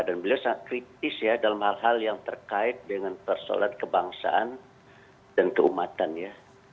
dan beliau sangat kritis ya dalam hal hal yang terkait dengan persolat kebangsaan dan keumatan ya